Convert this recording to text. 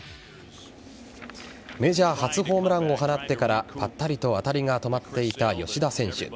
メジャー初ホームランを放ってからぱったりと当たりが止まっていた吉田選手。